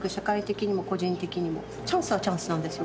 チャンスはチャンスなんですよ